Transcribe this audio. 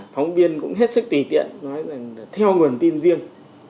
phóng viên cũng hết sức tùy tiện nói là theo nguồn tin riêng